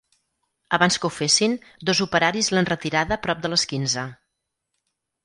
Abans que ho fessin, dos operaris l’han retirada prop de les quinze.